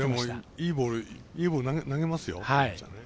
いいボール投げますよ。